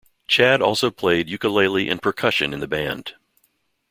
Chad also played ukulele and percussion in the band.